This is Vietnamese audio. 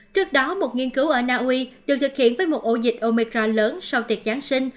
trước đó một nghiên cứu ở naui được thực hiện với một ổ dịch omicra lớn sau tiệc giáng sinh